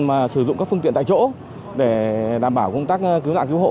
mà sử dụng các phương tiện tại chỗ để đảm bảo công tác cứu nạn cứu hộ